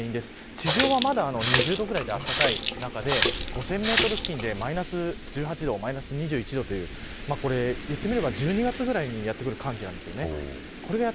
地上はまだ２０度くらいで暖かい中で５０００メートル付近でマイナス１８度マイナス２１度という言ってみれば１２月くらいにやってくる寒気です。